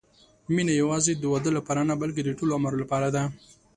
مینه یوازې د واده لپاره نه، بلکې د ټول عمر لپاره ده.